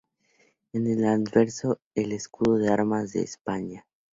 En el anverso, el escudo de armas de España.